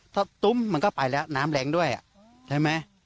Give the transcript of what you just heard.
ถ้าตุ้มมันก็ไปแล้วน้ำแรงด้วยใช่ไหม